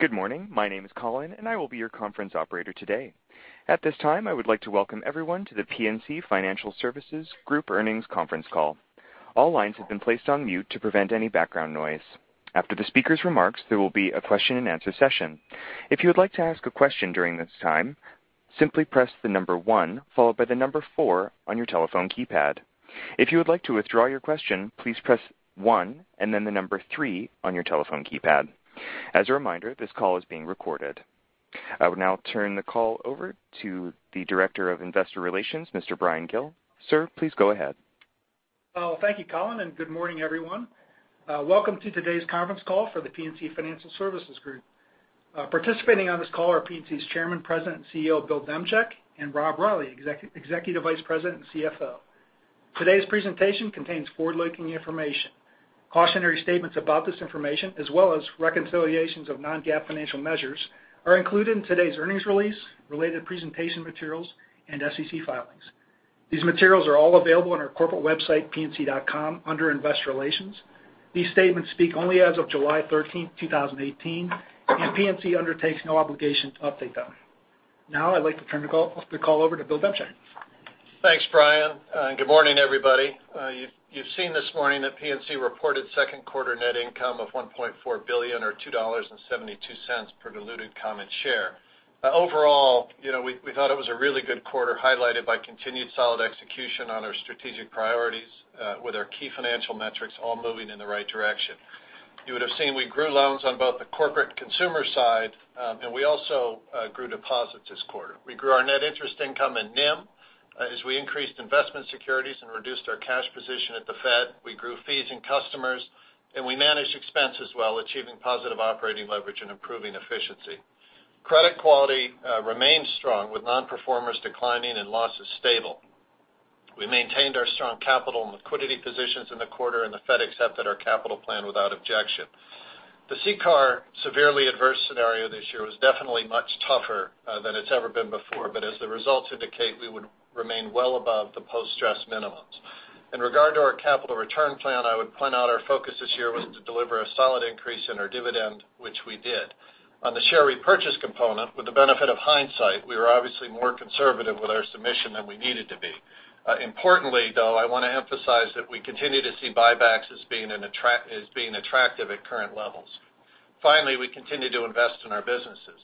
Good morning. My name is Colin. I will be your conference operator today. At this time, I would like to welcome everyone to The PNC Financial Services Group earnings conference call. All lines have been placed on mute to prevent any background noise. After the speaker's remarks, there will be a question-and-answer session. If you would like to ask a question during this time, simply press the number one followed by the number four on your telephone keypad. If you would like to withdraw your question, please press one and then the number three on your telephone keypad. As a reminder, this call is being recorded. I would now turn the call over to the Director of Investor Relations, Mr. Bryan Gill. Sir, please go ahead. Thank you, Colin. Good morning, everyone. Welcome to today's conference call for The PNC Financial Services Group. Participating on this call are PNC's Chairman, President, and Chief Executive Officer, Bill Demchak, Rob Reilly, Executive Vice President and CFO. Today's presentation contains forward-looking information. Cautionary statements about this information, as well as reconciliations of non-GAAP financial measures, are included in today's earnings release, related presentation materials, SEC filings. These materials are all available on our corporate website, pnc.com, under Investor Relations. These statements speak only as of July 13, 2018. PNC undertakes no obligation to update them. Now, I'd like to turn the call over to Bill Demchak. Thanks, Bryan. Good morning, everybody. You've seen this morning that PNC reported second quarter net income of $1.4 billion, or $2.72 per diluted common share. Overall, we thought it was a really good quarter, highlighted by continued solid execution on our strategic priorities, with our key financial metrics all moving in the right direction. You would've seen we grew loans on both the corporate consumer side. We also grew deposits this quarter. We grew our net interest income in NIM, as we increased investment securities and reduced our cash position at the Fed. We grew fees and customers. We managed expenses well, achieving positive operating leverage and improving efficiency. Credit quality remains strong, with non-performers declining and losses stable. We maintained our strong capital and liquidity positions in the quarter. The Fed accepted our capital plan without objection. The CCAR severely adverse scenario this year was definitely much tougher than it's ever been before. As the results indicate, we would remain well above the post-stress minimums. In regard to our capital return plan, I would point out our focus this year was to deliver a solid increase in our dividend, which we did. On the share repurchase component, with the benefit of hindsight, we were obviously more conservative with our submission than we needed to be. Importantly, though, I want to emphasize that we continue to see buybacks as being attractive at current levels. Finally, we continue to invest in our businesses.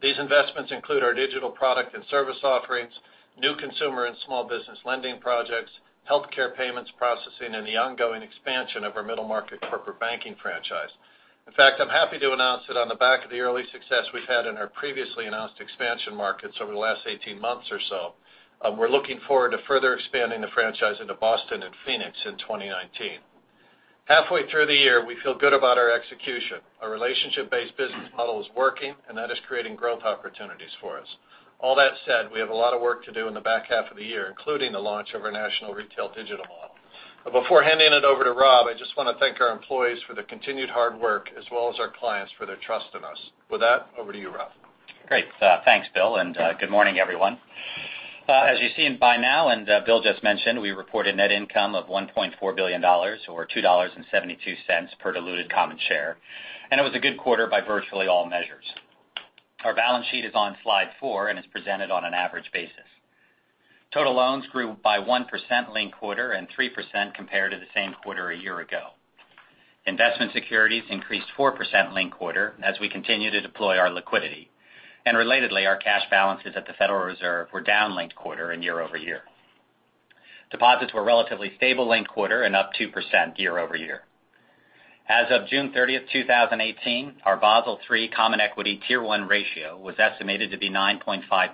These investments include our digital product and service offerings, new consumer and small business lending projects, healthcare payments processing, the ongoing expansion of our middle-market corporate banking franchise. In fact, I'm happy to announce that on the back of the early success we've had in our previously announced expansion markets over the last 18 months or so, we're looking forward to further expanding the franchise into Boston and Phoenix in 2019. Halfway through the year, we feel good about our execution. Our relationship-based business model is working, and that is creating growth opportunities for us. All that said, we have a lot of work to do in the back half of the year, including the launch of our national retail digital model. Before handing it over to Rob, I just want to thank our employees for their continued hard work, as well as our clients for their trust in us. With that, over to you, Rob. Great. Thanks, Bill. Good morning, everyone. As you've seen by now, Bill just mentioned, we reported net income of $1.4 billion, or $2.72 per diluted common share, and it was a good quarter by virtually all measures. Our balance sheet is on slide four and is presented on an average basis. Total loans grew by 1% linked quarter, and 3% compared to the same quarter a year ago. Investment securities increased 4% linked quarter, as we continue to deploy our liquidity. Relatedly, our cash balances at the Federal Reserve were down linked quarter and year-over-year. Deposits were relatively stable linked quarter and up 2% year-over-year. As of June 30th, 2018, our Basel III common equity Tier 1 ratio was estimated to be 9.5%,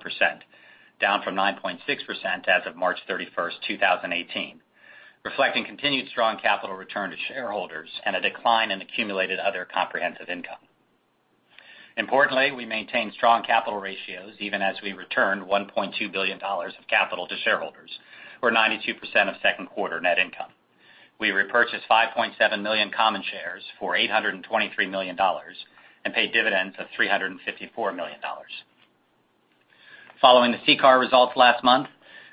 down from 9.6% as of March 31st, 2018, reflecting continued strong capital return to shareholders and a decline in accumulated other comprehensive income. Importantly, we maintained strong capital ratios even as we returned $1.2 billion of capital to shareholders, or 92% of second quarter net income. We repurchased 5.7 million common shares for $823 million and paid dividends of $354 million. Following the CCAR results last month,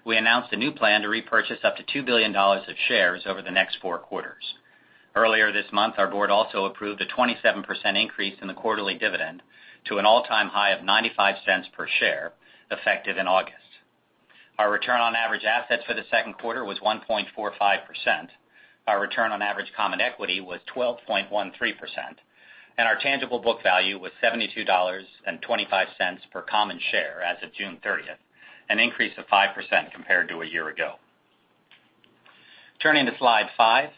we announced a new plan to repurchase up to $2 billion of shares over the next four quarters. Earlier this month, our board also approved a 27% increase in the quarterly dividend to an all-time high of $0.95 per share, effective in August. Our return on average assets for the second quarter was 1.45%. Our return on average common equity was 12.13%, and our tangible book value was $72.25 per common share as of June 30th, an increase of 5% compared to a year ago. Turning to slide five.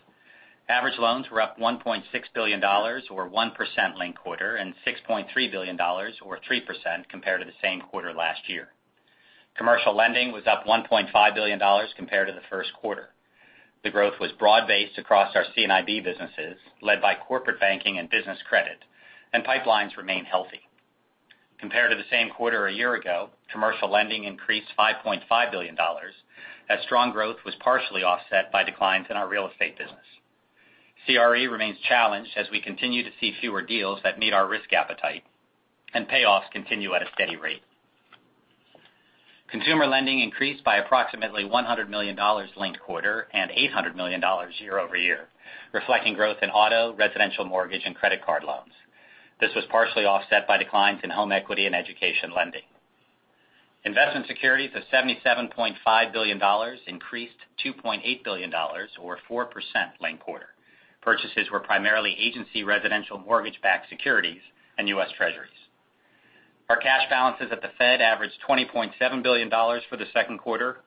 Average loans were up $1.6 billion, or 1% linked quarter, and $6.3 billion, or 3%, compared to the same quarter last year. Commercial lending was up $1.5 billion compared to the first quarter. The growth was broad-based across our C&IB businesses, led by corporate banking and business credit. Pipelines remain healthy. Compared to the same quarter a year ago, commercial lending increased $5.5 billion, as strong growth was partially offset by declines in our real estate business. CRE remains challenged as we continue to see fewer deals that meet our risk appetite. Payoffs continue at a steady rate. Consumer lending increased by approximately $100 million linked-quarter and $800 million year-over-year, reflecting growth in auto, residential mortgage, and credit card loans. This was partially offset by declines in home equity and education lending. Investment securities of $77.5 billion increased to $2.8 billion, or 4% linked-quarter. Purchases were primarily agency residential mortgage-backed securities and U.S. Treasuries. Our cash balances at the Fed averaged $20.7 billion for the second quarter,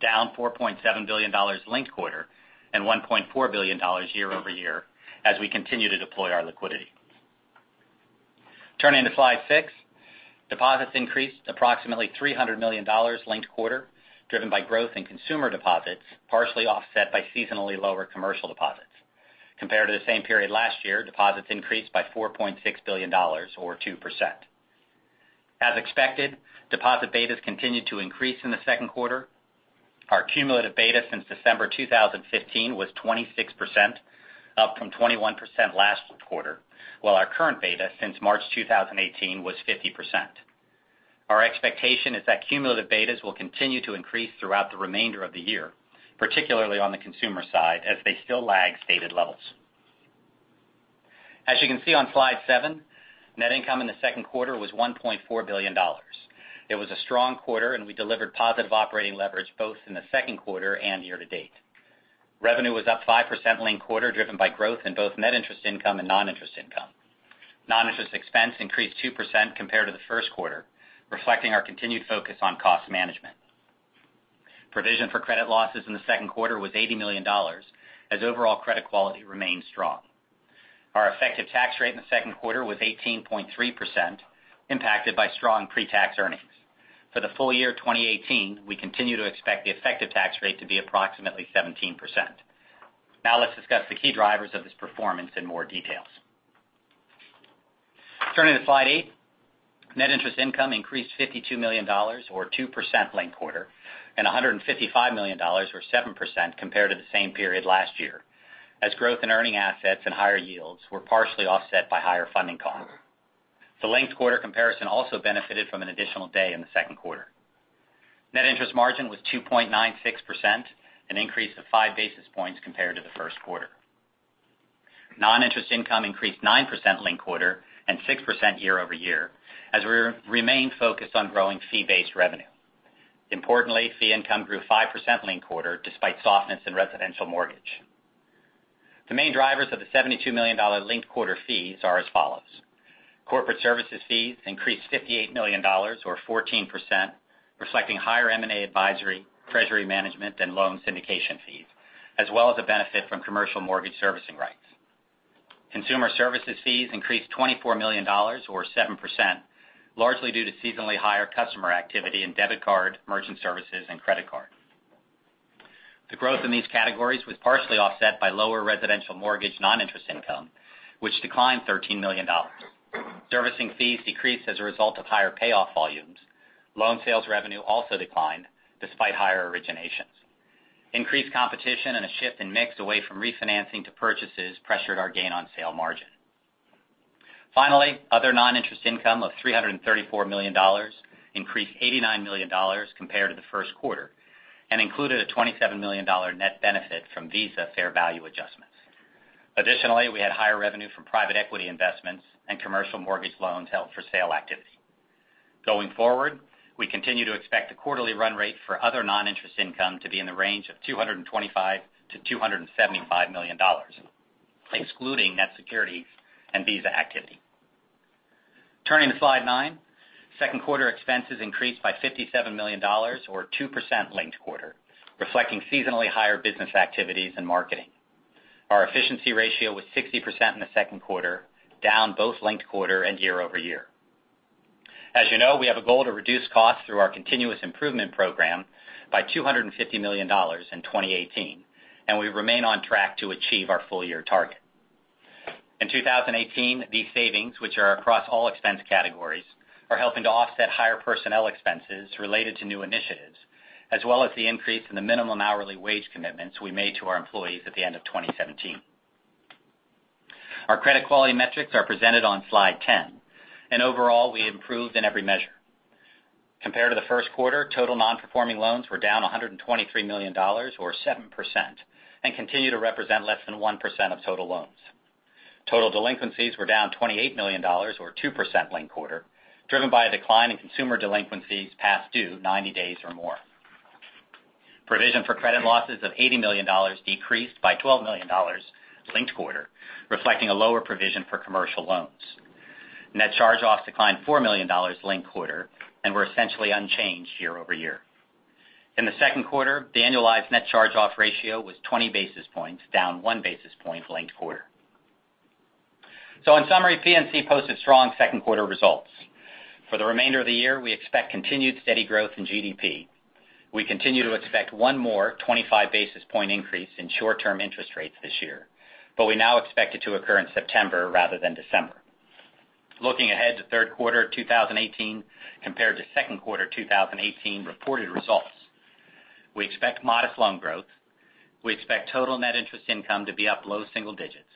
down $4.7 billion linked-quarter and $1.4 billion year-over-year as we continue to deploy our liquidity. Turning to slide six. Deposits increased approximately $300 million linked-quarter, driven by growth in consumer deposits, partially offset by seasonally lower commercial deposits. Compared to the same period last year, deposits increased by $4.6 billion or 2%. As expected, deposit betas continued to increase in the second quarter. Our cumulative beta since December 2015 was 26%, up from 21% last quarter, while our current beta since March 2018 was 50%. Our expectation is that cumulative betas will continue to increase throughout the remainder of the year, particularly on the consumer side, as they still lag stated levels. As you can see on slide seven, net income in the second quarter was $1.4 billion. It was a strong quarter, and we delivered positive operating leverage both in the second quarter and year-to-date. Revenue was up 5% linked-quarter, driven by growth in both net interest income and non-interest income. Non-interest expense increased 2% compared to the first quarter, reflecting our continued focus on cost management. Provision for credit losses in the second quarter was $80 million, as overall credit quality remained strong. Our effective tax rate in the second quarter was 18.3%, impacted by strong pre-tax earnings. For the full year 2018, we continue to expect the effective tax rate to be approximately 17%. Let's discuss the key drivers of this performance in more details. Turning to slide eight. Net interest income increased $52 million or 2% linked-quarter and $155 million or 7% compared to the same period last year, as growth in earning assets and higher yields were partially offset by higher funding costs. The linked-quarter comparison also benefited from an additional day in the second quarter. Net interest margin was 2.96%, an increase of five basis points compared to the first quarter. Non-interest income increased 9% linked-quarter and 6% year-over-year, as we remain focused on growing fee-based revenue. Importantly, fee income grew 5% linked-quarter despite softness in residential mortgage. The main drivers of the $72 million linked-quarter fees are as follows. Corporate services fees increased $58 million or 14%, reflecting higher M&A advisory, treasury management and loan syndication fees, as well as a benefit from commercial mortgage servicing rights. Consumer services fees increased $24 million or 7%, largely due to seasonally higher customer activity in debit card, merchant services, and credit card. The growth in these categories was partially offset by lower residential mortgage non-interest income, which declined $13 million. Servicing fees decreased as a result of higher payoff volumes. Loan sales revenue also declined despite higher originations. Increased competition and a shift in mix away from refinancing to purchases pressured our gain on sale margin. Finally, other non-interest income of $334 million increased $89 million compared to the first quarter and included a $27 million net benefit from Visa fair value adjustments. Additionally, we had higher revenue from private equity investments and commercial mortgage loans held for sale activity. Going forward, we continue to expect a quarterly run rate for other non-interest income to be in the range of $225 million-$275 million, excluding net securities and Visa activity. Turning to slide nine. Second quarter expenses increased by $57 million or 2% linked quarter, reflecting seasonally higher business activities and marketing. Our efficiency ratio was 60% in the second quarter, down both linked quarter and year-over-year. As you know, we have a goal to reduce costs through our continuous improvement program by $250 million in 2018, and we remain on track to achieve our full-year target. In 2018, these savings, which are across all expense categories, are helping to offset higher personnel expenses related to new initiatives, as well as the increase in the minimum hourly wage commitments we made to our employees at the end of 2017. Our credit quality metrics are presented on slide ten, and overall, we improved in every measure. Compared to the first quarter, total non-performing loans were down $123 million or 7% and continue to represent less than 1% of total loans. Total delinquencies were down $28 million or 2% linked quarter, driven by a decline in consumer delinquencies past due 90 days or more. Provision for credit losses of $80 million decreased by $12 million linked quarter, reflecting a lower provision for commercial loans. Net charge-offs declined $4 million linked quarter and were essentially unchanged year-over-year. In the second quarter, the annualized net charge-off ratio was 20 basis points, down one basis point linked quarter. In summary, PNC posted strong second quarter results. For the remainder of the year, we expect continued steady growth in GDP. We continue to expect one more 25 basis point increase in short-term interest rates this year, but we now expect it to occur in September rather than December. Looking ahead to third quarter 2018 compared to second quarter 2018 reported results. We expect modest loan growth. We expect total net interest income to be up low single digits.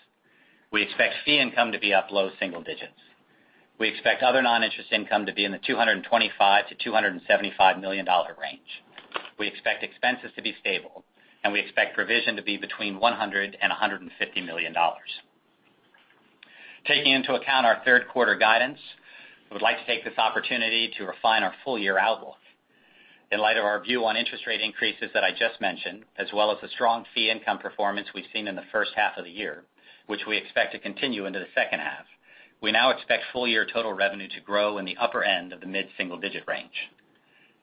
We expect fee income to be up low single digits. We expect other non-interest income to be in the $225 million-$275 million range. We expect expenses to be stable, and we expect provision to be between $100 million and $150 million. Taking into account our third quarter guidance, I would like to take this opportunity to refine our full-year outlook. In light of our view on interest rate increases that I just mentioned, as well as the strong fee income performance we've seen in the first half of the year, which we expect to continue into the second half, we now expect full-year total revenue to grow in the upper end of the mid-single-digit range.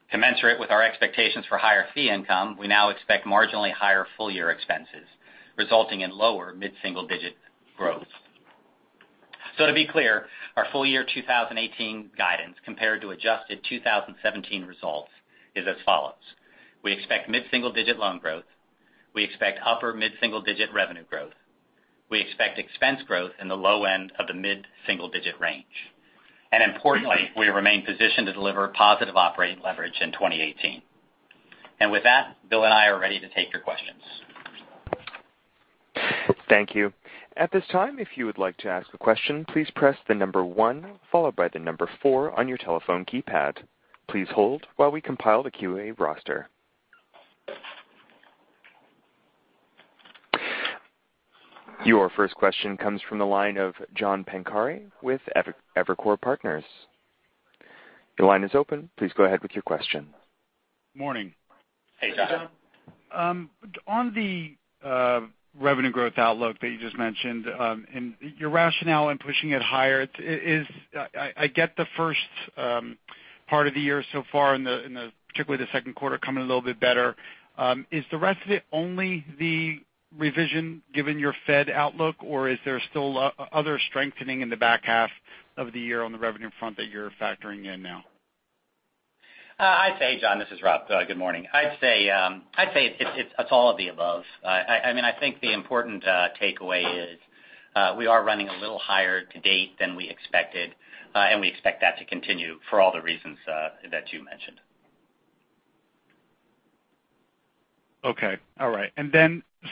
Commensurate with our expectations for higher fee income, we now expect marginally higher full-year expenses, resulting in lower mid-single-digit growth. To be clear, our full-year 2018 guidance compared to adjusted 2017 results is as follows: We expect mid-single-digit loan growth. We expect upper mid-single-digit revenue growth. We expect expense growth in the low end of the mid-single-digit range. Importantly, we remain positioned to deliver positive operating leverage in 2018. With that, Bill and I are ready to take your questions. Thank you. At this time, if you would like to ask a question, please press the number one followed by the number four on your telephone keypad. Please hold while we compile the QA roster. Your first question comes from the line of John Pancari with Evercore ISI. Your line is open. Please go ahead with your question. Morning. Hey, John. On the revenue growth outlook that you just mentioned, and your rationale in pushing it higher, I get the first part of the year so far, and particularly the second quarter coming a little bit better. Is the rest of it only the revision given your Fed outlook, or is there still other strengthening in the back half of the year on the revenue front that you're factoring in now? Hey, John. This is Rob. Good morning. I'd say it's all of the above. I think the important takeaway is we are running a little higher to date than we expected, and we expect that to continue for all the reasons that you mentioned. Okay. All right.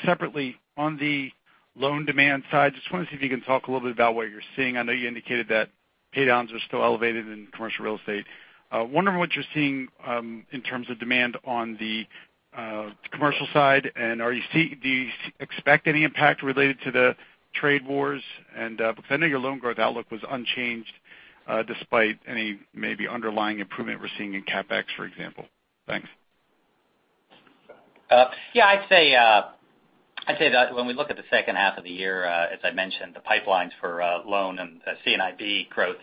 Separately, on the loan demand side, just want to see if you can talk a little bit about what you're seeing. I know you indicated that pay downs are still elevated in commercial real estate. Wondering what you're seeing in terms of demand on the commercial side, do you expect any impact related to the trade wars? Because I know your loan growth outlook was unchanged despite any maybe underlying improvement we're seeing in CapEx, for example. Thanks. Yeah. I'd say that when we look at the second half of the year, as I mentioned, the pipelines for loan and C&IB growth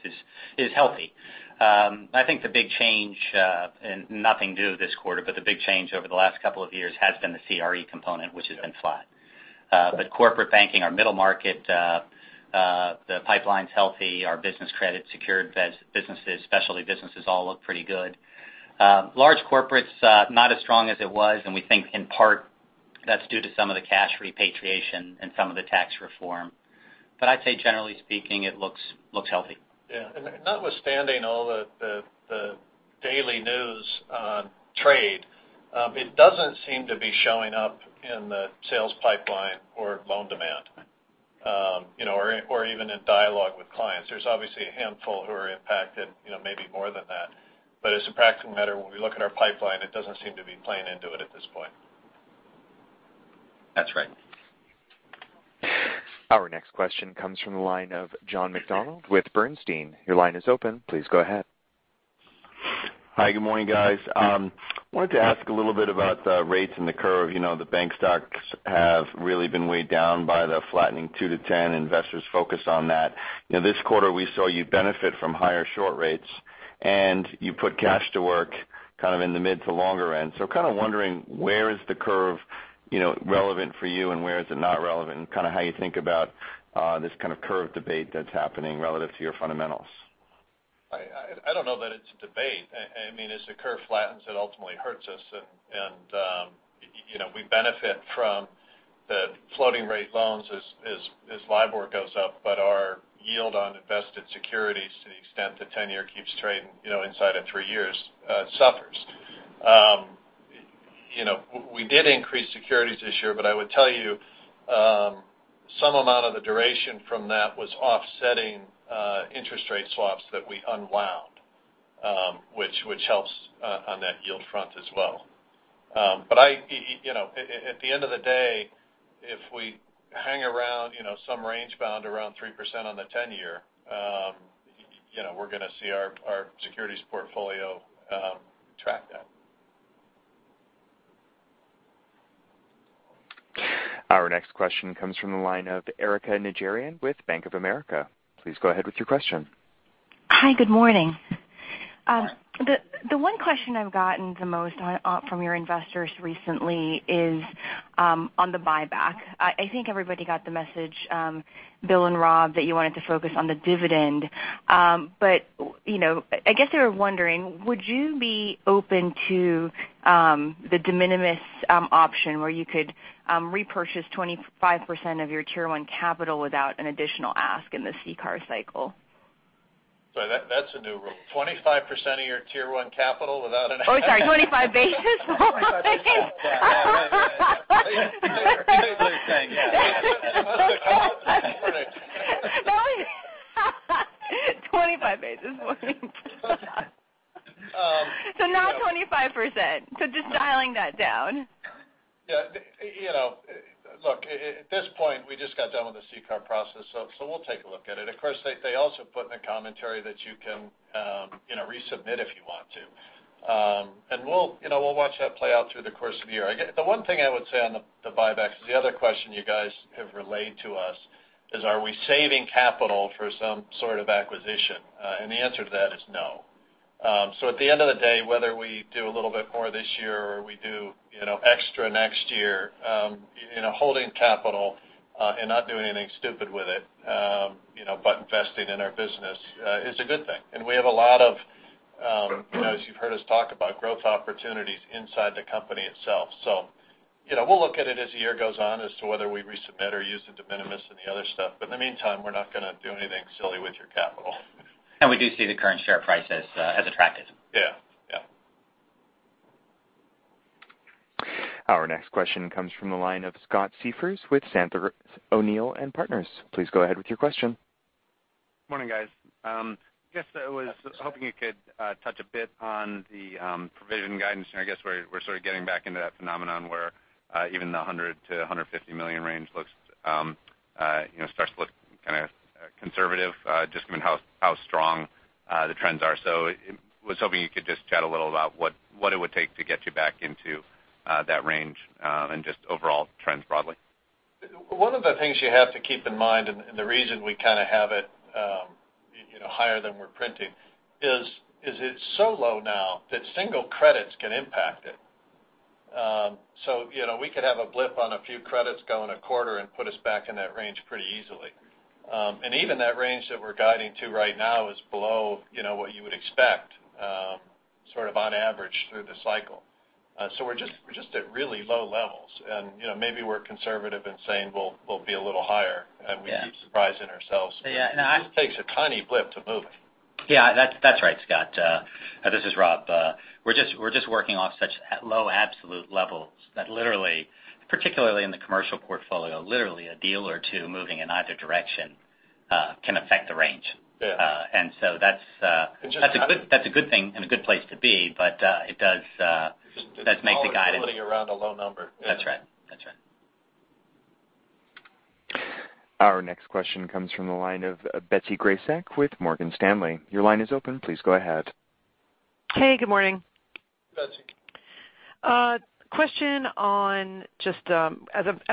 is healthy. I think the big change, nothing new this quarter, but the big change over the last couple of years has been the CRE component, which has been flat. Corporate banking, our middle market, the pipeline's healthy. Our business credit secured businesses, specialty businesses, all look pretty good. Large corporate's not as strong as it was, we think in part that's due to some of the cash repatriation and some of the tax reform. I'd say generally speaking, it looks healthy. Yeah. Notwithstanding all the daily news on trade, it doesn't seem to be showing up in the sales pipeline or loan demand or even in dialogue with clients. There's obviously a handful who are impacted, maybe more than that. As a practical matter, when we look at our pipeline, it doesn't seem to be playing into it at this point. That's right. Our next question comes from the line of John McDonald with Bernstein. Your line is open. Please go ahead. Hi. Good morning, guys. Wanted to ask a little bit about rates and the curve. The bank stocks have really been weighed down by the flattening 2 to 10. Investors focus on that. This quarter, we saw you benefit from higher short rates, and you put cash to work kind of in the mid to longer end. Kind of wondering where is the curve relevant for you and where is it not relevant, and how you think about this kind of curve debate that's happening relative to your fundamentals. I don't know that it's a debate. As the curve flattens, it ultimately hurts us. We benefit from the floating rate loans as LIBOR goes up, our yield on invested securities, to the extent the 10-year keeps trading inside of three years, suffers. We did increase securities this year, I would tell you some amount of the duration from that was offsetting interest rate swaps that we unwound which helps on that yield front as well. At the end of the day, if we hang around some range bound around 3% on the 10-year, we're going to see our securities portfolio track that. Our next question comes from the line of Erika Najarian with Bank of America. Please go ahead with your question. Hi. Good morning. The one question I've gotten the most from your investors recently is on the buyback. I think everybody got the message, Bill and Rob, that you wanted to focus on the dividend. I guess they were wondering, would you be open to the de minimis option where you could repurchase 25% of your Tier 1 capital without an additional ask in the CCAR cycle? That's a new rule. 25% of your Tier 1 capital without an- Oh, sorry, 25 basis points. Yeah. They're saying, yeah. Correct. 25 basis points. Not 25%. Just dialing that down. Yeah. Look, at this point, we just got done with the CCAR process, we'll take a look at it. Of course, they also put in a commentary that you can resubmit if you want to. We'll watch that play out through the course of the year. The one thing I would say on the buybacks is the other question you guys have relayed to us is are we saving capital for some sort of acquisition? The answer to that is no. At the end of the day, whether we do a little bit more this year or we do extra next year, holding capital and not doing anything stupid with it, but investing in our business is a good thing. We have a lot of, as you've heard us talk about, growth opportunities inside the company itself. We'll look at it as the year goes on as to whether we resubmit or use the de minimis and the other stuff, but in the meantime, we're not going to do anything silly with your capital. We do see the current share price as attractive. Yeah. Our next question comes from the line of Scott Siefers with Sandler O'Neill & Partners. Please go ahead with your question. Morning, guys. Just was hoping you could touch a bit on the provision guidance. I guess we're sort of getting back into that phenomenon where even the $100 million-$150 million range starts to look kind of conservative, just given how strong the trends are. Was hoping you could just chat a little about what it would take to get you back into that range, and just overall trends broadly. One of the things you have to keep in mind, and the reason we kind of have it higher than we're printing is, it's so low now that single credits can impact it. We could have a blip on a few credits go in a quarter and put us back in that range pretty easily. Even that range that we're guiding to right now is below what you would expect sort of on average through the cycle. We're just at really low levels, and maybe we're conservative in saying we'll be a little higher- Yeah We keep surprising ourselves. Yeah. No. It just takes a tiny blip to move it. Yeah. That's right, Scott. This is Rob. We're just working off such low absolute levels that literally, particularly in the commercial portfolio, literally a deal or two moving in either direction can affect the range. Yeah. That's a good thing and a good place to be. There's a lot of volatility around a low number. That's right. Our next question comes from the line of Betsy Graseck with Morgan Stanley. Your line is open. Please go ahead. Hey, good morning. Betsy. Question on just as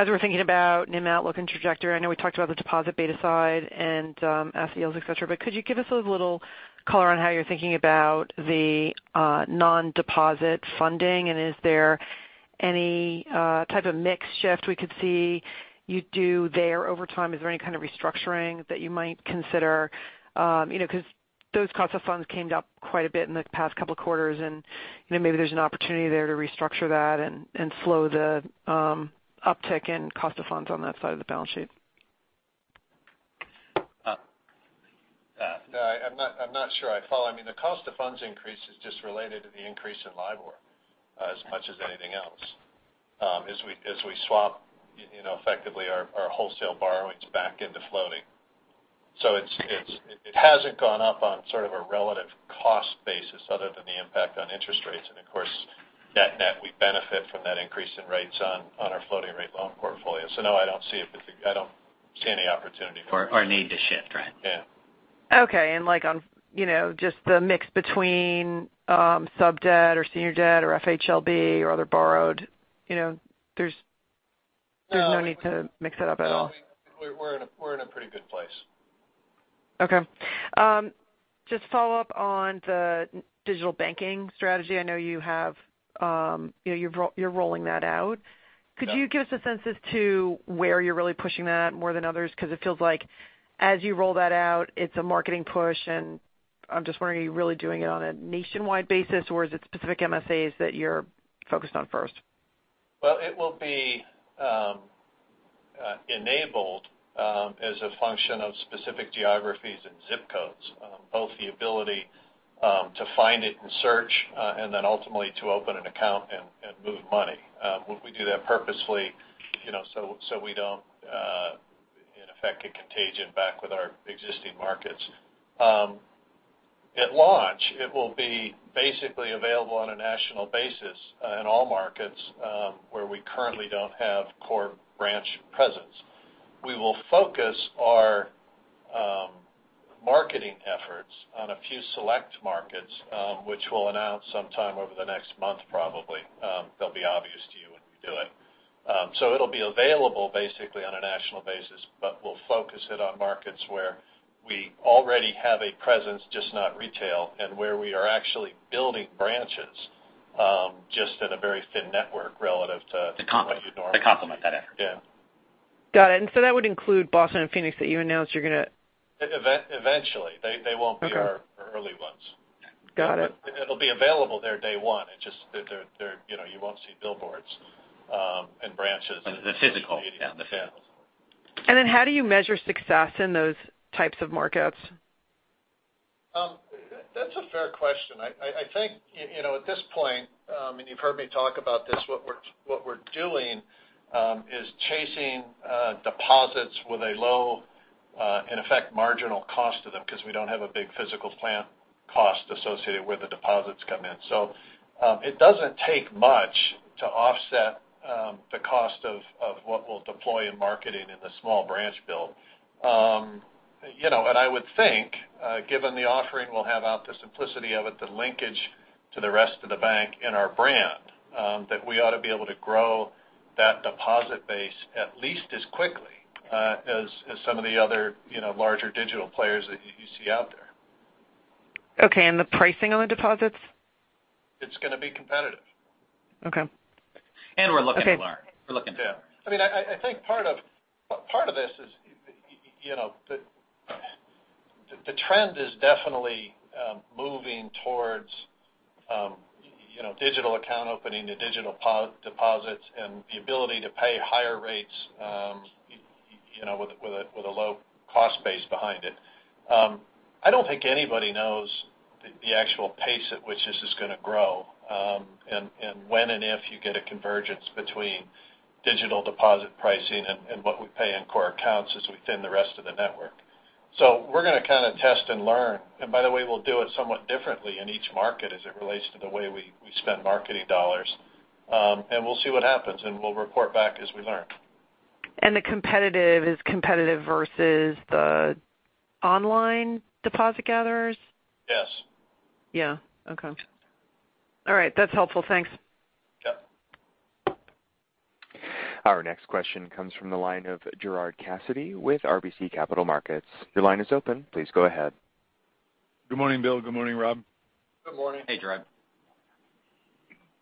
we're thinking about NIM outlook and trajectory, I know we talked about the deposit beta side and FHLB, et cetera, could you give us a little color on how you're thinking about the non-deposit funding? Is there any type of mix shift we could see you do there over time? Is there any kind of restructuring that you might consider? Those cost of funds came up quite a bit in the past couple of quarters, maybe there's an opportunity there to restructure that and slow the uptick in cost of funds on that side of the balance sheet. No, I'm not sure I follow. I mean, the cost of funds increase is just related to the increase in LIBOR as much as anything else, as we swap effectively our wholesale borrowings back into floating. It hasn't gone up on sort of a relative cost basis other than the impact on interest rates. Of course, net-net, we benefit from that increase in rates on our floating rate loan portfolio. No, I don't see any opportunity. Need to shift, right. Yeah. Okay. Like on just the mix between sub-debt or senior debt or FHLB or other borrowed, there's no need to mix it up at all? No. We're in a pretty good place. Okay. Just follow up on the digital banking strategy. I know you're rolling that out. Yeah. Could you give us a sense as to where you're really pushing that more than others? Because it feels like as you roll that out, it's a marketing push, and I'm just wondering, are you really doing it on a nationwide basis, or is it specific MSAs that you're focused on first? Well, it will be enabled as a function of specific geographies and zip codes. Both the ability to find it and search, ultimately to open an account and move money. We do that purposely so we don't in effect get contagion back with our existing markets. At launch, it will be basically available on a national basis in all markets where we currently don't have core branch presence. We will focus our marketing efforts on a few select markets, which we'll announce sometime over the next month probably. They'll be obvious to you when we do it. It'll be available basically on a national basis, but we'll focus it on markets where we already have a presence, just not retail, and where we are actually building branches, just in a very thin network relative to. To complement that effort yeah. Got it. That would include Boston and Phoenix that you announced you're going to. Eventually. They won't be. Okay our early ones. Got it. It'll be available there day one. It's just that you won't see billboards and branches. The physical. Yeah. The physical. How do you measure success in those types of markets? That's a fair question. I think, at this point, and you've heard me talk about this, what we're doing is chasing deposits with a low, in effect, marginal cost to them because we don't have a big physical plant cost associated where the deposits come in. It doesn't take much to offset the cost of what we'll deploy in marketing in the small branch build. I would think, given the offering we'll have out, the simplicity of it, the linkage to the rest of the bank and our brand, that we ought to be able to grow that deposit base at least as quickly as some of the other larger digital players that you see out there. Okay. The pricing on the deposits? It's going to be competitive. Okay. We're looking to learn. Yeah. I think part of this is, the trend is definitely moving towards digital account opening to digital deposits and the ability to pay higher rates with a low cost base behind it. I don't think anybody knows the actual pace at which this is going to grow. When and if you get a convergence between digital deposit pricing and what we pay in core accounts as we thin the rest of the network. We're going to kind of test and learn. By the way, we'll do it somewhat differently in each market as it relates to the way we spend marketing dollars. We'll see what happens, and we'll report back as we learn. The competitive is competitive versus the online deposit gatherers? Yes. Yeah. Okay. All right. That's helpful. Thanks. Yeah. Our next question comes from the line of Gerard Cassidy with RBC Capital Markets. Your line is open. Please go ahead. Good morning, Bill. Good morning, Rob. Good morning. Hey, Gerard.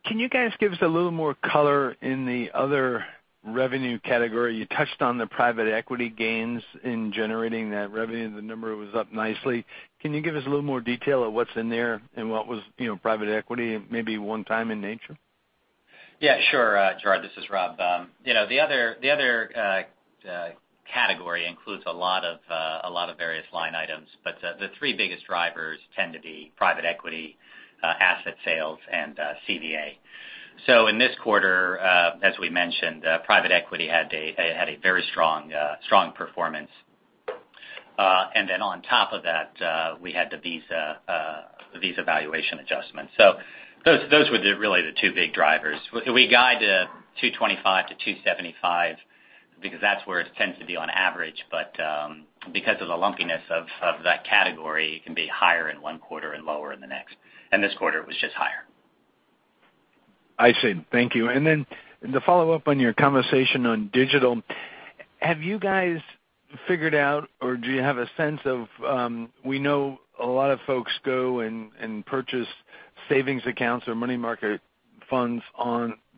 Can you guys give us a little more color in the other revenue category? You touched on the private equity gains in generating that revenue. The number was up nicely. Can you give us a little more detail of what's in there and what was private equity and maybe one-time in nature? Yeah, sure, Gerard. This is Rob. The other category includes a lot of various line items, but the three biggest drivers tend to be private equity, asset sales, and CVA. In this quarter, as we mentioned, private equity had a very strong performance. On top of that, we had the Visa valuation adjustment. Those were really the two big drivers. We guide $225 million-$275 million because that's where it tends to be on average. Because of the lumpiness of that category, it can be higher in one quarter and lower in the next. This quarter, it was just higher. I see. Thank you. To follow up on your conversation on digital, have you guys figured out, or do you have a sense of, we know a lot of folks go and purchase savings accounts or money market funds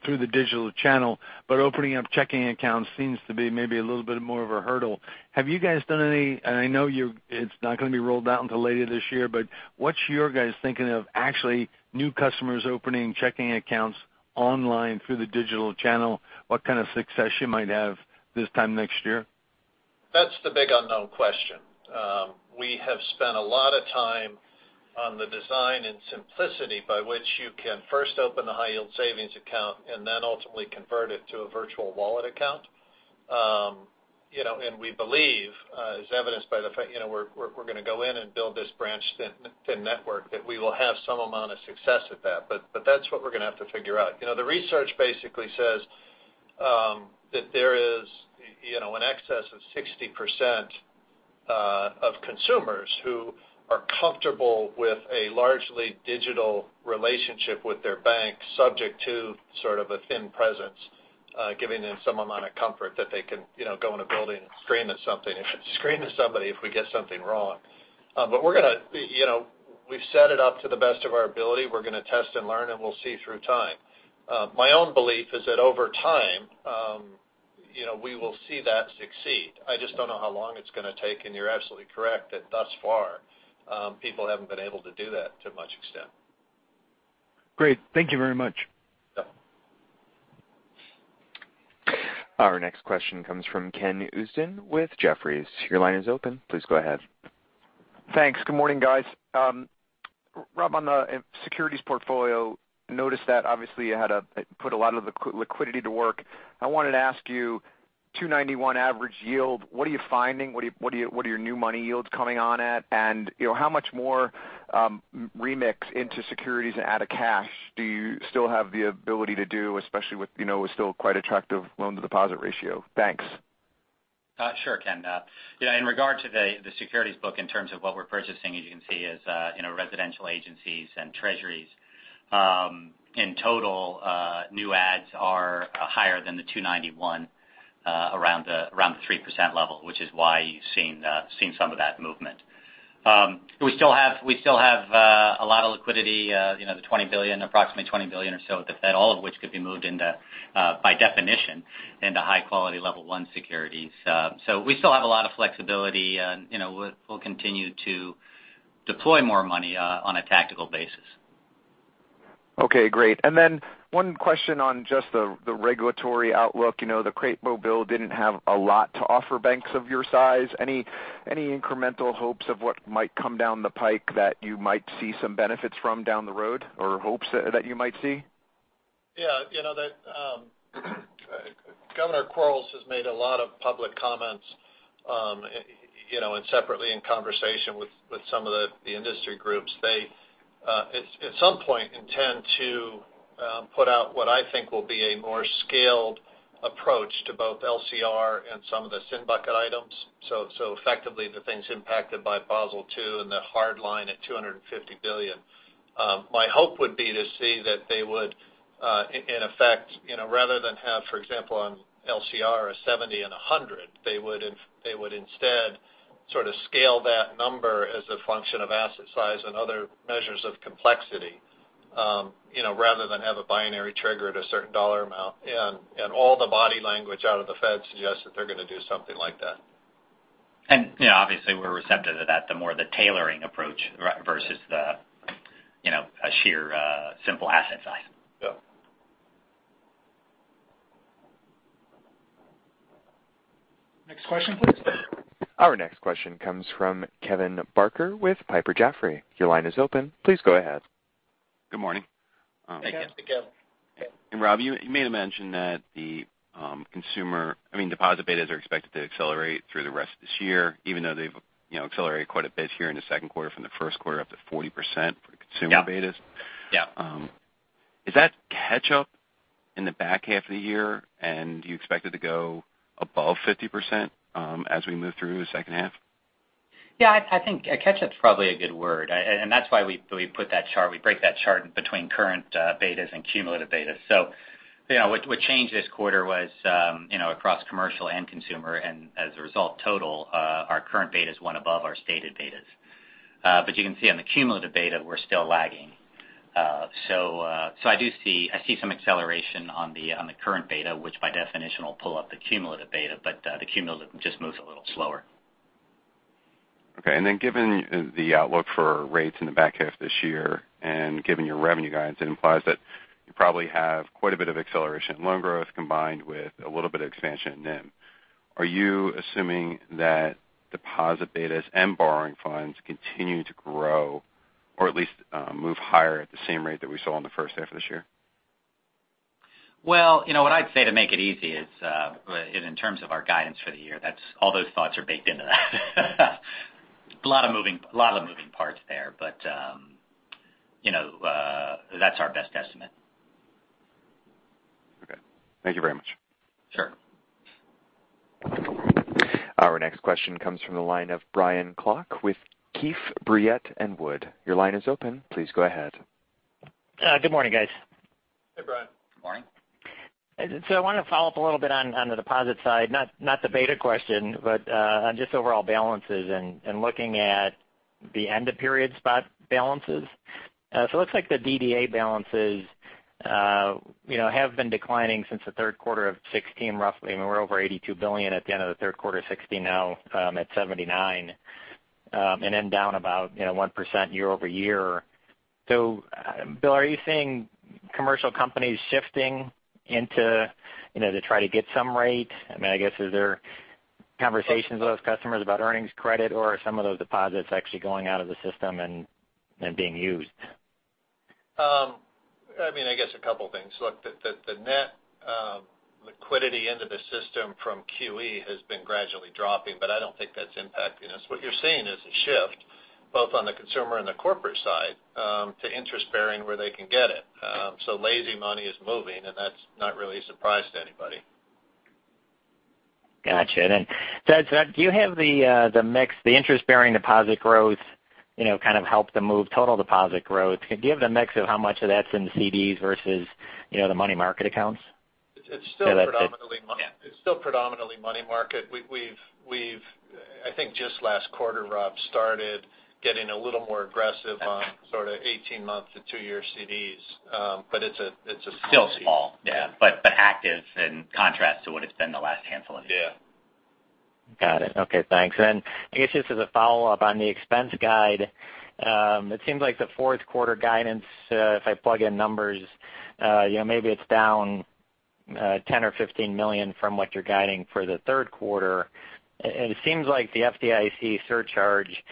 through the digital channel, opening up checking accounts seems to be maybe a little bit more of a hurdle. Have you guys done any, I know it's not going to be rolled out until later this year, but what's your guys thinking of actually new customers opening checking accounts online through the digital channel? What kind of success you might have this time next year? That's the big unknown question. We have spent a lot of time on the design and simplicity by which you can first open a high yield savings account and then ultimately convert it to a Virtual Wallet account. We believe, as evidenced by the fact we're going to go in and build this branch-thin network, that we will have some amount of success with that. That's what we're going to have to figure out. The research basically says that there is an excess of 60% of consumers who are comfortable with a largely digital relationship with their bank, subject to sort of a thin presence, giving them some amount of comfort that they can go in a building and scream at somebody if we get something wrong. We've set it up to the best of our ability. We're going to test and learn, we'll see through time. My own belief is that over time, we will see that succeed. I just don't know how long it's going to take. You're absolutely correct, that thus far, people haven't been able to do that to much extent. Great. Thank you very much. Yeah. Our next question comes from Ken Usdin with Jefferies. Your line is open. Please go ahead. Thanks. Good morning, guys. Rob, on the securities portfolio, noticed that obviously you had put a lot of the liquidity to work. I wanted to ask you, 291 average yield, what are you finding? What are your new money yields coming on at? How much more remix into securities and out of cash do you still have the ability to do, especially with still quite attractive loan-to-deposit ratio? Thanks. Sure, Ken. In regard to the securities book in terms of what we're purchasing, as you can see, is in our residential agencies and treasuries. In total, new adds are higher than the 291 around the 3% level, which is why you've seen some of that movement. We still have a lot of liquidity, the approximately $20 billion or so at the Fed, all of which could be moved, by definition, into high-quality level 1 securities. We still have a lot of flexibility, and we'll continue to deploy more money on a tactical basis. Okay, great. One question on just the regulatory outlook. The Crapo bill didn't have a lot to offer banks of your size. Any incremental hopes of what might come down the pike that you might see some benefits from down the road or hopes that you might see? Yeah. Governor Quarles has made a lot of public comments, separately in conversation with some of the industry groups. They at some point intend to put out what I think will be a more scaled approach to both LCR and some of the SIFI bucket items. Effectively, the things impacted by Basel II and the hard line at $250 billion. My hope would be to see that they would, in effect, rather than have, for example, on LCR, a 70 and 100, they would instead scale that number as a function of asset size and other measures of complexity, rather than have a binary trigger at a certain dollar amount. All the body language out of the Fed suggests that they're going to do something like that. Obviously we're receptive to that, the more the tailoring approach versus a sheer simple asset size. Yeah. Next question, please. Our next question comes from Kevin Barker with Piper Jaffray. Your line is open. Please go ahead. Good morning. Hey. Thank you. Kevin. Rob, you made a mention that the consumer deposit betas are expected to accelerate through the rest of this year, even though they've accelerated quite a bit here in the second quarter from the first quarter up to 40% for consumer betas. Yeah. Is that catch-up in the back half of the year, and do you expect it to go above 50% as we move through the second half? Yeah, I think catch-up's probably a good word. That's why we put that chart. We break that chart between current betas and cumulative betas. What changed this quarter was across commercial and consumer, and as a result, total, our current betas went above our stated betas. You can see on the cumulative beta, we're still lagging. I do see some acceleration on the current beta, which by definition will pull up the cumulative beta, but the cumulative just moves a little slower. Okay. Given the outlook for rates in the back half this year and given your revenue guidance, it implies that you probably have quite a bit of acceleration in loan growth combined with a little bit of expansion in NIM. Are you assuming that deposit betas and borrowing funds continue to grow or at least move higher at the same rate that we saw in the first half of this year? Well, what I'd say to make it easy is in terms of our guidance for the year, all those thoughts are baked into that. A lot of moving parts there, but that's our best estimate. Okay. Thank you very much. Sure. Our next question comes from the line of Brian Klock with Keefe, Bruyette & Woods. Your line is open. Please go ahead. Good morning, guys. Hey, Brian. Good morning. I want to follow up a little bit on the deposit side. Not the beta question, but on just overall balances and looking at the end-of-period spot balances. It looks like the DDA balances have been declining since the third quarter of 2016, roughly. We're over $82 billion at the end of the third quarter 2016, now at $79 billion and then down about 1% year-over-year. Bill, are you seeing commercial companies shifting into to try to get some rate? I guess, is there conversations with those customers about earnings credit or are some of those deposits actually going out of the system and being used? I guess a couple things. Look, the net liquidity into the system from QE has been gradually dropping, but I don't think that's impacting us. What you're seeing is a shift both on the consumer and the corporate side to interest bearing where they can get it. Lazy money is moving, and that's not really a surprise to anybody. Gotcha. Do you have the mix, the interest-bearing deposit growth kind of help them move total deposit growth? Do you have the mix of how much of that's in the CDs versus the money market accounts? It's still predominantly- Yeah It's still predominantly money market. We've, I think just last quarter, Rob started getting a little more aggressive on sort of 18 months to two-year CDs. It's a small- Still small. Yeah. Active in contrast to what it's been the last handful of years. Yeah. Got it. Okay, thanks. I guess just as a follow-up on the expense guide, it seems like the fourth quarter guidance, if I plug in numbers, maybe it's down $10 million or $15 million from what you're guiding for the third quarter. It seems like the FDIC surcharge,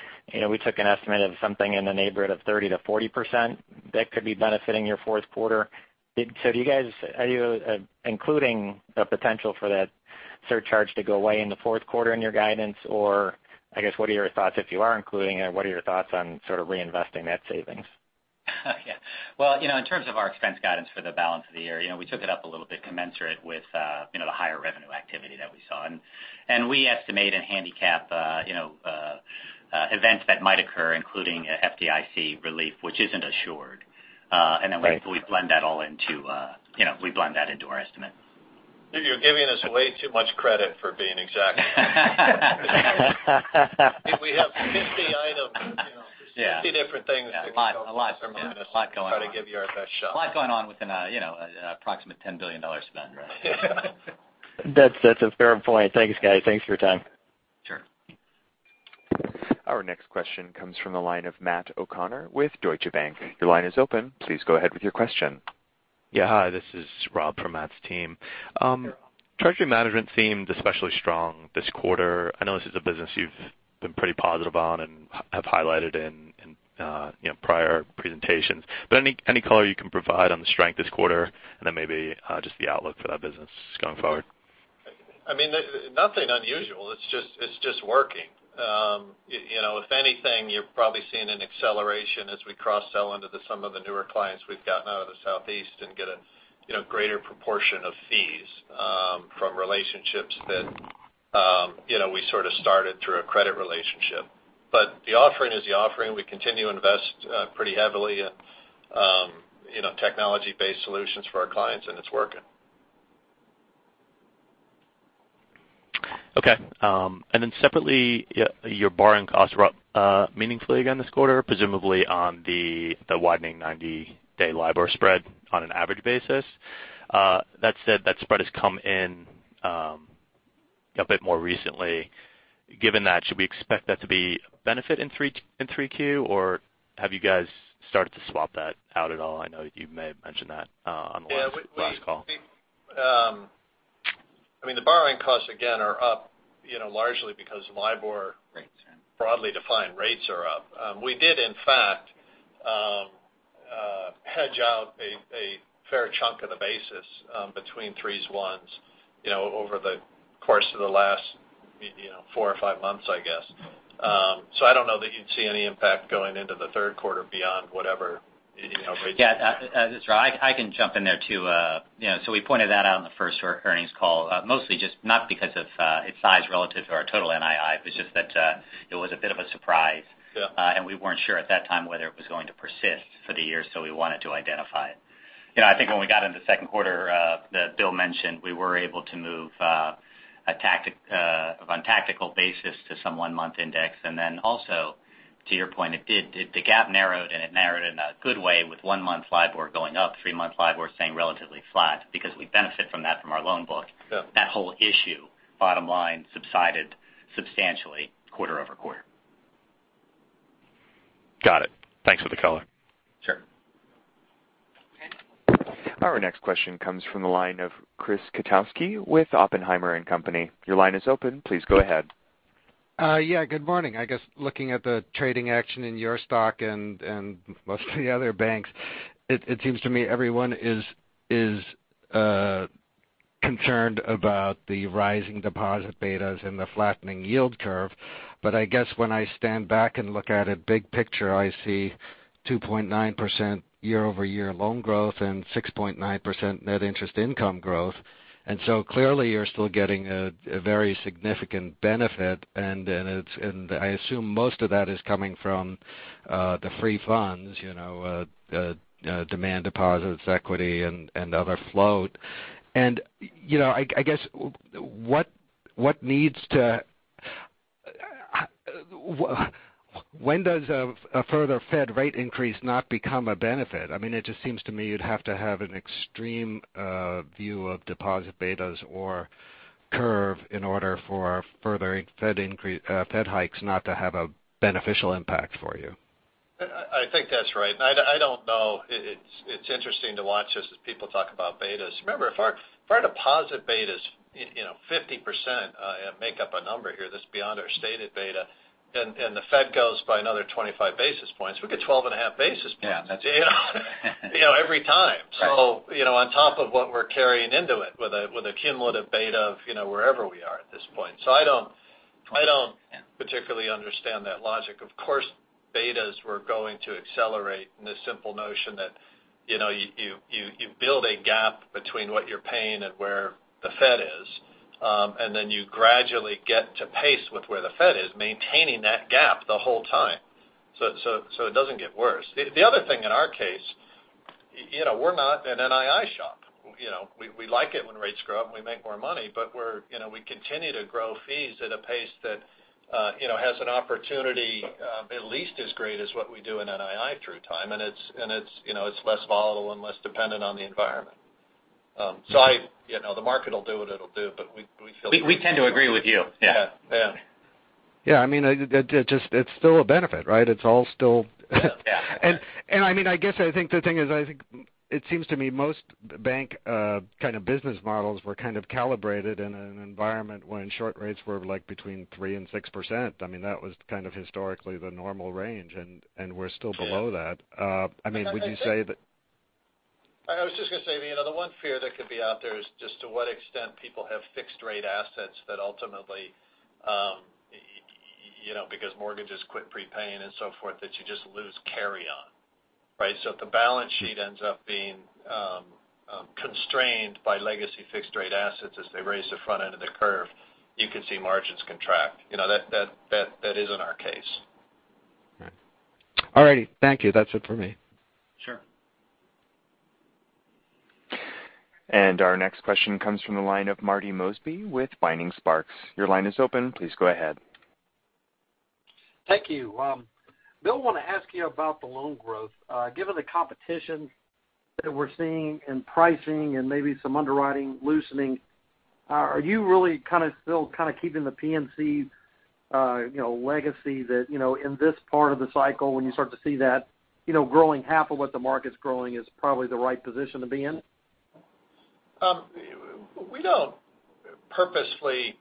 we took an estimate of something in the neighborhood of 30%-40% that could be benefiting your fourth quarter. Are you including a potential for that surcharge to go away in the fourth quarter in your guidance or what are your thoughts if you are including it? What are your thoughts on sort of reinvesting that savings? Well, in terms of our expense guidance for the balance of the year, we took it up a little bit commensurate with the higher revenue activity that we saw. We estimate and handicap events that might occur, including FDIC relief, which isn't assured. We blend that all into our estimate. You're giving us way too much credit for being exact. We have 50 items. Yeah. 50 different things that we focus. A lot going on try to give you our best shot. A lot going on within an approximate $10 billion spend. Yeah. That's a fair point. Thanks, guys. Thanks for your time. Our next question comes from the line of Matt O'Connor with Deutsche Bank. Your line is open. Please go ahead with your question. Hi, this is Rob from Matt's team. Hi, Rob. Treasury management seemed especially strong this quarter. I know this is a business you've been pretty positive on and have highlighted in prior presentations. Any color you can provide on the strength this quarter, maybe just the outlook for that business going forward? Nothing unusual. It's just working. If anything, you're probably seeing an acceleration as we cross-sell into some of the newer clients we've gotten out of the Southeast and get a greater proportion of fees from relationships that we sort of started through a credit relationship. The offering is the offering. We continue to invest pretty heavily in technology-based solutions for our clients, it's working. Separately, your borrowing costs were up meaningfully again this quarter, presumably on the widening 90-day LIBOR spread on an average basis. That said, that spread has come in a bit more recently. Given that, should we expect that to be a benefit in 3Q, or have you guys started to swap that out at all? I know you may have mentioned that on the last call. The borrowing costs, again, are up largely because LIBOR rates are, broadly defined, rates are up. We did, in fact, hedge out a fair chunk of the basis between 3s/1s over the course of the last four or five months. I don't know that you'd see any impact going into the third quarter beyond whatever rates. Yeah. This is Rob. I can jump in there, too. We pointed that out on the first earnings call. Mostly just not because of its size relative to our total NII, but it's just that it was a bit of a surprise. Yeah. We weren't sure at that time whether it was going to persist for the year, so we wanted to identify it. I think when we got into the second quarter, Bill mentioned we were able to move on a tactical basis to some one-month index. Also to your point, the gap narrowed, and it narrowed in a good way with one-month LIBOR going up, three-month LIBOR staying relatively flat because we benefit from that from our loan book. Yeah. That whole issue, bottom line, subsided substantially quarter-over-quarter. Got it. Thanks for the color. Sure. Okay. Our next question comes from the line of Chris Kotowski with Oppenheimer & Co. Inc. Your line is open. Please go ahead. Yeah. Good morning. I guess looking at the trading action in your stock and most of the other banks, it seems to me everyone is concerned about the rising deposit betas and the flattening yield curve. I guess when I stand back and look at it big picture, I see 2.9% year-over-year loan growth and 6.9% net interest income growth. Clearly you're still getting a very significant benefit, and I assume most of that is coming from the free funds, demand deposits, equity, and other float. I guess, when does a further Fed rate increase not become a benefit? It just seems to me you'd have to have an extreme view of deposit betas or curve in order for further Fed hikes not to have a beneficial impact for you. I think that's right. I don't know. It's interesting to watch as people talk about betas. Remember, if our deposit betas 50%, make up a number here that's beyond our stated beta, the Fed goes by another 25 basis points, we get 12.5 basis points. Yeah. That's right. every time. Right. On top of what we're carrying into it with a cumulative beta of wherever we are at this point. I don't particularly understand that logic. Of course, betas were going to accelerate in the simple notion that you build a gap between what you're paying and where the Fed is. Then you gradually get to pace with where the Fed is, maintaining that gap the whole time so it doesn't get worse. The other thing in our case, we're not an NII shop. We like it when rates grow up and we make more money, we continue to grow fees at a pace that has an opportunity at least as great as what we do in NII through time. It's less volatile and less dependent on the environment. The market will do what it'll do. We feel good. We tend to agree with you. Yeah. Yeah. Yeah. It's still a benefit, right? Yeah. I guess I think the thing is, it seems to me most bank kind of business models were kind of calibrated in an environment when short rates were between 3% and 6%. That was kind of historically the normal range, and we're still below that. Would you say that- I was just going to say the one fear that could be out there is just to what extent people have fixed rate assets that ultimately because mortgages quit prepaying and so forth, that you just lose carry on. If the balance sheet ends up being constrained by legacy fixed rate assets as they raise the front end of the curve, you can see margins contract. That isn't our case. Right. All righty. Thank you. That's it for me. Sure. Our next question comes from the line of Marty Mosby with Vining Sparks. Your line is open. Please go ahead. Thank you. Bill, want to ask you about the loan growth. Given the competition that we're seeing in pricing and maybe some underwriting loosening. Are you really still kind of keeping the PNC legacy that, in this part of the cycle, when you start to see that growing half of what the market's growing is probably the right position to be in? We don't purposefully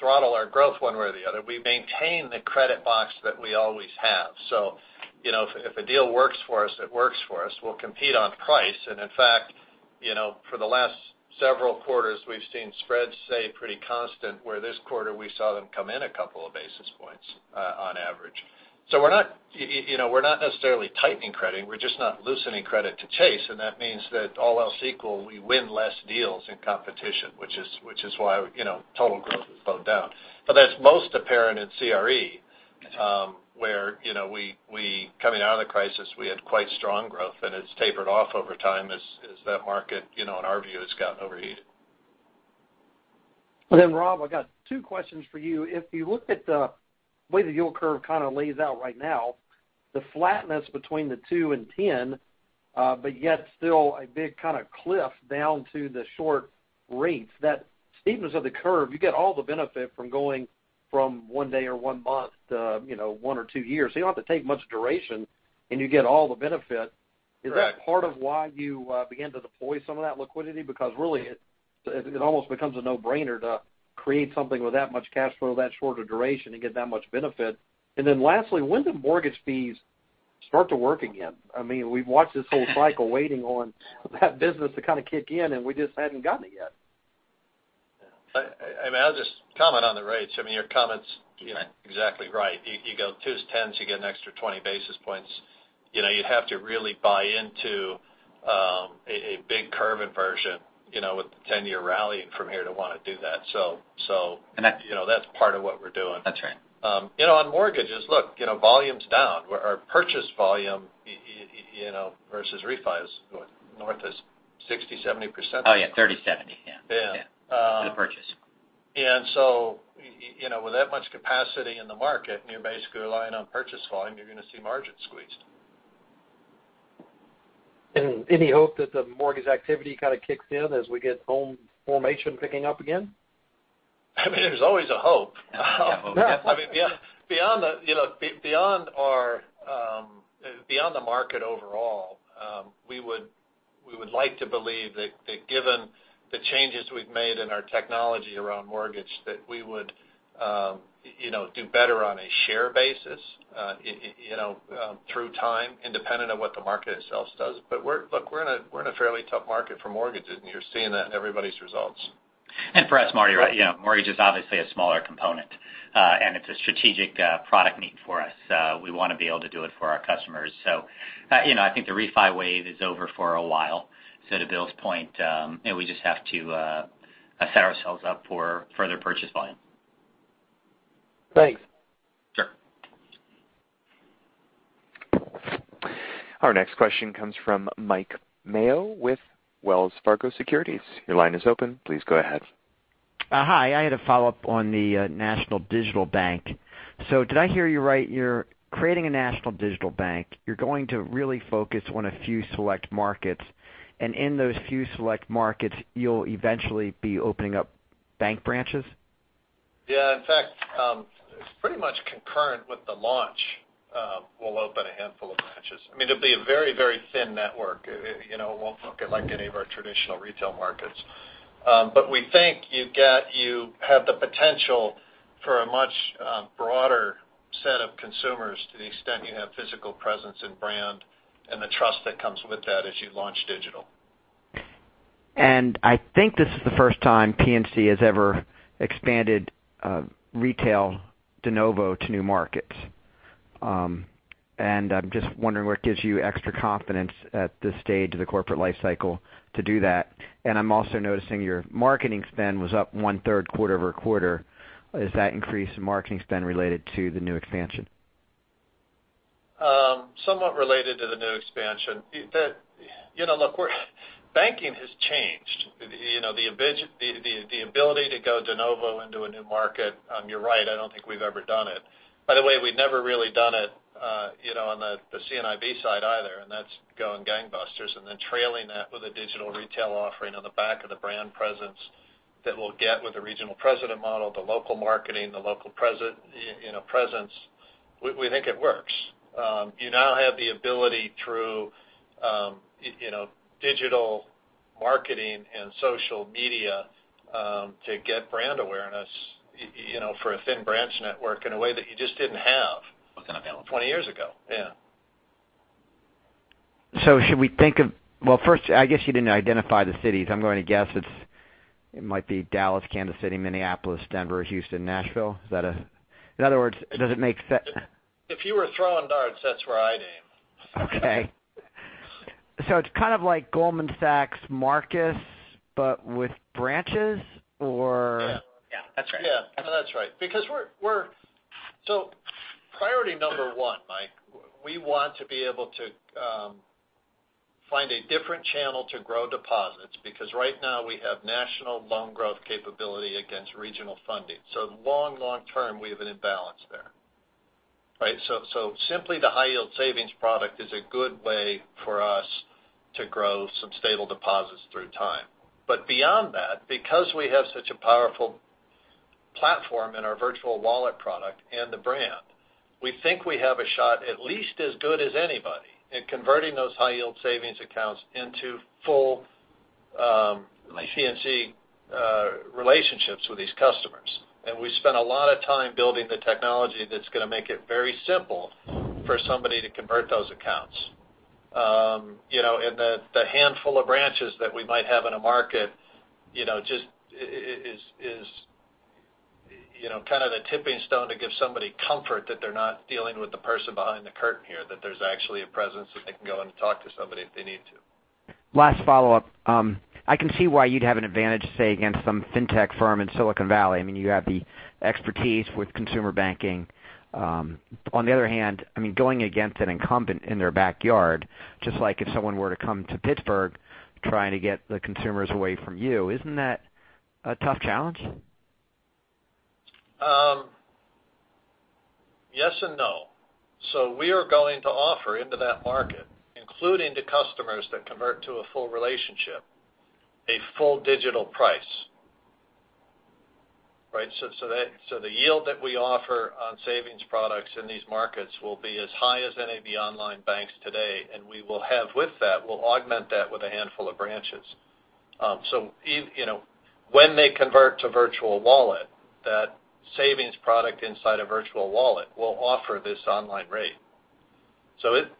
throttle our growth one way or the other. We maintain the credit box that we always have. If a deal works for us, it works for us. We'll compete on price, and in fact, for the last several quarters, we've seen spreads stay pretty constant, where this quarter we saw them come in a couple of basis points, on average. We're not necessarily tightening credit, we're just not loosening credit to chase, and that means that all else equal, we win less deals in competition, which is why total growth is both down. That's most apparent in CRE, where coming out of the crisis, we had quite strong growth and it's tapered off over time as that market, in our view, has gotten overheated. Rob, I've got two questions for you. If you look at the way the yield curve kind of lays out right now, the flatness between the two and 10, but yet still a big kind of cliff down to the short rates, that steepness of the curve, you get all the benefit from going from one day or one month to one or two years. You don't have to take much duration and you get all the benefit. Correct. Is that part of why you began to deploy some of that liquidity? Really, it almost becomes a no-brainer to create something with that much cash flow, that shorter duration, and get that much benefit. Lastly, when do mortgage fees start to work again? I mean, we've watched this whole cycle waiting on that business to kind of kick in, and we just haven't gotten it yet. Yeah. I mean, I'll just comment on the rates. I mean, your comment's exactly right. You go twos, tens, you get an extra 20 basis points. You'd have to really buy into a big curve inversion with the 10-year rally from here to want to do that. That's part of what we're doing. That's right. On mortgages, look, volume's down. Our purchase volume versus refi is north of 60%, 70%. Oh, yeah. 30-70. Yeah. Yeah. To purchase. With that much capacity in the market, and you're basically relying on purchase volume, you're going to see margins squeezed. Any hope that the mortgage activity kind of kicks in as we get home formation picking up again? I mean, there's always a hope. Yeah. I mean, beyond the market overall, we would like to believe that given the changes we've made in our technology around mortgage, that we would do better on a share basis through time, independent of what the market itself does. Look, we're in a fairly tough market for mortgages, and you're seeing that in everybody's results. For us, Marty, right, mortgage is obviously a smaller component. It's a strategic product need for us. We want to be able to do it for our customers. I think the refi wave is over for a while. To Bill's point, we just have to set ourselves up for further purchase volume. Thanks. Sure. Our next question comes from Mike Mayo with Wells Fargo Securities. Your line is open. Please go ahead. Hi. I had a follow-up on the national digital bank. Did I hear you right? You're creating a national digital bank. You're going to really focus on a few select markets. In those few select markets, you'll eventually be opening up bank branches? Yeah. In fact, pretty much concurrent with the launch, we'll open a handful of branches. I mean, it'll be a very, very thin network. It won't look like any of our traditional retail markets. We think you have the potential for a much broader set of consumers to the extent you have physical presence and brand and the trust that comes with that as you launch digital. I think this is the first time PNC has ever expanded retail de novo to new markets. I'm just wondering what gives you extra confidence at this stage of the corporate life cycle to do that. I'm also noticing your marketing spend was up one third quarter-over-quarter. Is that increase in marketing spend related to the new expansion? Somewhat related to the new expansion. Banking has changed. The ability to go de novo into a new market, you're right, I don't think we've ever done it. By the way, we've never really done it on the C&IB side either, and that's going gangbusters, and then trailing that with a digital retail offering on the back of the brand presence that we'll get with the regional president model, the local marketing, the local presence. We think it works. You now have the ability through digital marketing and social media to get brand awareness for a thin branch network in a way that you just didn't have. Wasn't available. 20 years ago. Yeah. Should we think of first, I guess you didn't identify the cities. I'm going to guess it might be Dallas, Kansas City, Minneapolis, Denver, Houston, Nashville. In other words, does it make sense? If you were throwing darts, that's where I'd aim. Okay. It's kind of like Goldman Sachs Marcus, but with branches, or? Yeah. Yeah. That's right. Yeah. No, that's right. Priority number one, Mike, we want to be able to find a different channel to grow deposits, because right now we have national loan growth capability against regional funding. Long, long term, we have an imbalance there. Right. Simply the high-yield savings product is a good way for us to grow some stable deposits through time. Beyond that, because we have such a powerful platform in our Virtual Wallet product and the brand, we think we have a shot at least as good as anybody in converting those high-yield savings accounts into full PNC relationships with these customers. And we spent a lot of time building the technology that's going to make it very simple for somebody to convert those accounts. The handful of branches that we might have in a market just is kind of the tipping stone to give somebody comfort that they're not dealing with the person behind the curtain here, that there's actually a presence, that they can go in and talk to somebody if they need to. Last follow-up. I can see why you'd have an advantage, say, against some fintech firm in Silicon Valley. You have the expertise with consumer banking. On the other hand, going against an incumbent in their backyard, just like if someone were to come to Pittsburgh trying to get the consumers away from you, isn't that a tough challenge? Yes and no. We are going to offer into that market, including the customers that convert to a full relationship, a full digital price. Right? The yield that we offer on savings products in these markets will be as high as any of the online banks today, and we will have with that, we'll augment that with a handful of branches. When they convert to Virtual Wallet, that savings product inside a Virtual Wallet will offer this online rate.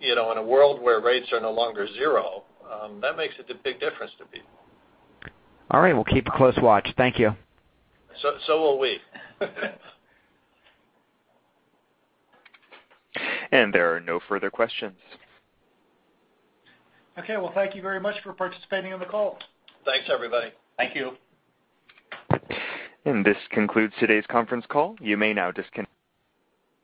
In a world where rates are no longer zero, that makes it a big difference to people. All right. We'll keep a close watch. Thank you. Will we. There are no further questions. Okay. Well, thank you very much for participating on the call. Thanks, everybody. Thank you. This concludes today's conference call. You may now disconnect.